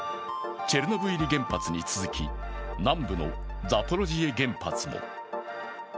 チェルノブイリ原発に続き、南部のザポロジエ原発も。